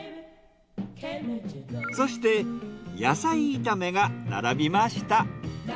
そして野菜炒めが並びました。